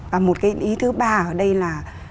và một cái ý thứ ba ở đây là